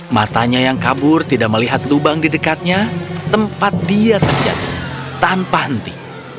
matanya yang kabur tidak melihat lubang di dekatnya tempat dia terjadi tanpa henti